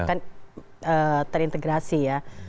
kan terintegrasi ya